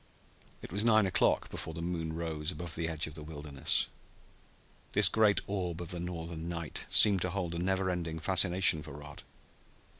It was nine o'clock before the moon rose above the edge of the wilderness. This great orb of the Northern night seemed to hold a never ending fascination for Rod.